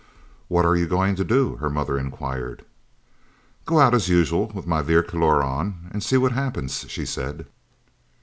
"What are you going to do?" her mother inquired. "Go out as usual with my 'Vierkleur' on, and see what happens," she said.